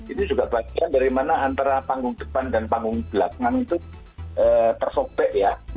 itu juga bagian dari mana antara panggung depan dan panggung belakang itu tersobek ya